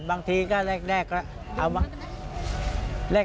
บางทีก็แรกก็เอามา